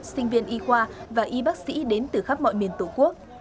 sinh viên y khoa và y bác sĩ đến từ khắp mọi miền tổ quốc